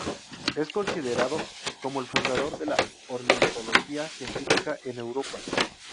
Es considerado como el fundador de la ornitología científica en Europa.